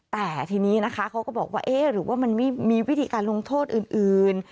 แต่ทีนี้นะคะเขาก็บอกว่าเอ๊ะหรือว่ามันไม่มีวิธีการลงโทษอื่น